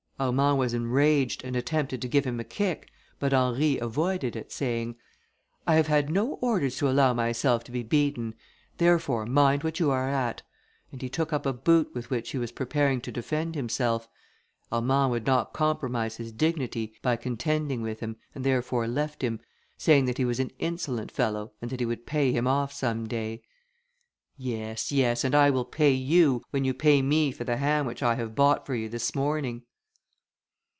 Armand was enraged, and attempted to give him a kick, but Henry avoided it, saying, "I have had no orders to allow myself to be beaten; therefore mind what you are at," and he took up a boot with which he was preparing to defend himself. Armand would not compromise his dignity by contending with him, and therefore left him, saying that he was an insolent fellow, and that he would pay him off some day. "Yes! yes! and I will pay you, when you pay me for the ham which I have bought for you this morning."